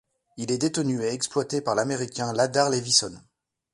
Il est détenu et exploité par l'Américain Ladar Levison.